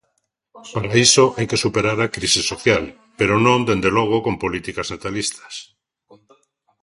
Para iso hai que superar a crise social, pero non, dende logo, con políticas natalistas.